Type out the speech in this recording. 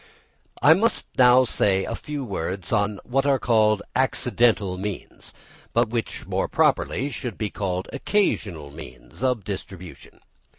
I must now say a few words on what are called accidental means, but which more properly should be called occasional means of distribution.